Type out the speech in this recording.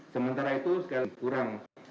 sementara itu sekalian kurang